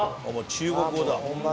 中国語だ。